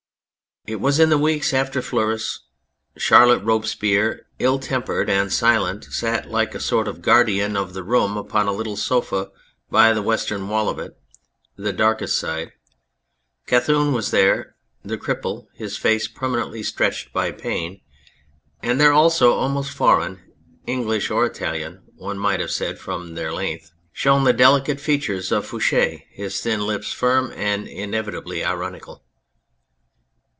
It was in the weeks after Fleurus. Charlotte Robespierre, ill tempered and silent, sat like a sort of guardian of the room upon the little sofa by the western wall of it, the darkest side. Couthon was there, the cripple, his face permanently stretched by pain, and there also, almost foreign English or Italian one might have said from their length shone the delicate features of Fouche, his thin lips firm and inevitably ironical.